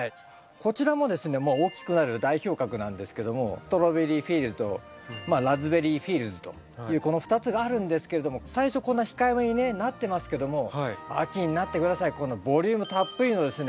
こちらもですね大きくなる代表格なんですけどもというこの２つがあるんですけれども最初こんな控えめにねなってますけども秋になって下さいこのボリュームたっぷりのですね